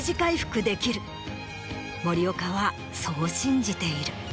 森岡はそう信じている。